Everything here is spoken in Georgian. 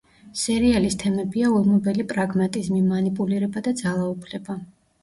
სერიალის თემებია ულმობელი პრაგმატიზმი, მანიპულირება და ძალაუფლება.